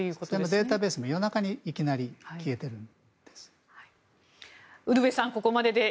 データベースも夜中にいきなり消えてるんですね。